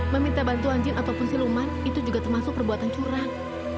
meminta bantuan jin ataupun siluman itu juga termasuk perbuatan curang